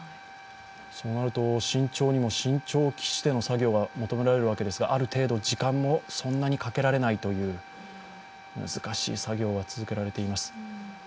そうなると慎重にも慎重を期しての作業が必要になりますがある程度、時間もそんなにかけられないという難しい作業が続けられています。